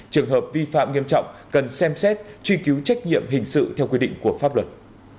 trường hợp vi phạm nghiêm trọng cần xem xét truy cứu trách nhiệm hình sự theo quy định của pháp luật